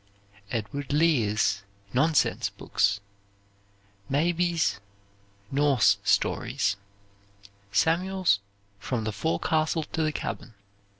Edward Lear's "Nonsense Books." Mabie's "Norse Stories." Samuel's "From the Forecastle to the Cabin."